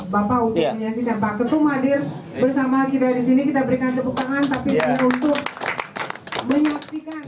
bapak untuk menyaksikan pak ketum hadir bersama kita di sini kita berikan tepuk tangan tapi untuk menyaksikan